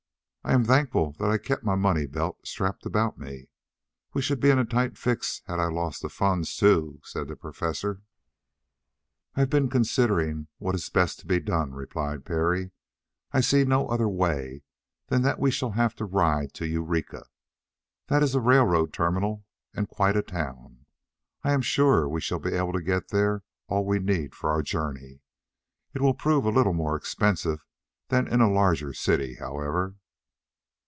I am thankful that I kept my money belt strapped about me. We should be in a tight fix, had I lost the funds, too," said the Professor. "I have been considering what is best to be done," replied Parry. "I see no other way than that we shall have to ride to Eureka. That is a railroad terminal and quite a town. I am sure we shall be able to get there all we need for our journey. It will prove a little more expensive than in a larger city, however."